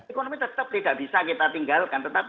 ekonomi tetap tidak bisa kita tinggalkan tetapi